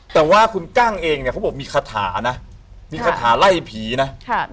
แต่ว่าคุณกั้งเองเนี่ยเขาบอกมีคาถานะมีคาถาไล่ผีนะ